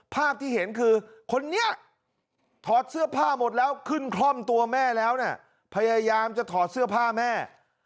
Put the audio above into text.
ภาพที่เห็นคือคนนี้ถอดเสื้อผ้าหมดแล้วขึ้นคล่อมตัวแม่แล้วเนี่ยพยายามจะถอดเสื้อผ้าแม่